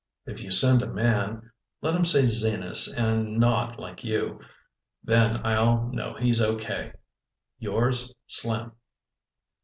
If you send a man, let him say Zenas and nod like you. Then I'll know he's Okay. "Yours, "Slim."